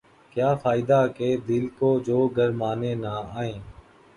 کیا فائدہ کہ دل کو جو گرمانے نہ آئیں